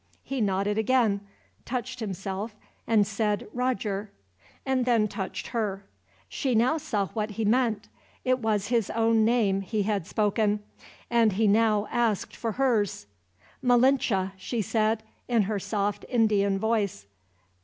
He nodded again, touched himself and said "Roger," and then touched her. She now saw what he meant. It was his own name he had spoken, and he now asked for hers. "Malinche," she said, in her soft Indian voice.